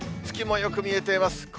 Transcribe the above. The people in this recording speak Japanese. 月もよく見えています。